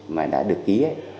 mà đã được ký